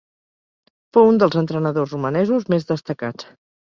Fou un dels entrenadors romanesos més destacats.